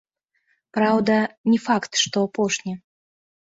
Праўда, не факт, што апошні.